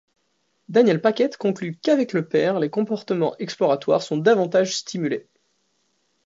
Daniel Paquette conclut qu'avec le père les comportements exploratoires sont davantage stimulés.